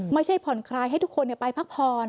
ไม่ใช่ผ่อนคลายให้ทุกคนไปพักผ่อน